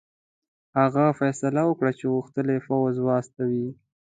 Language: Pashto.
هغه فیصله وکړه چې غښتلی پوځ واستوي.